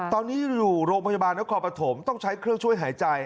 ตอนนี้อยู่โรงพยาบาลนครปฐมต้องใช้เครื่องช่วยหายใจ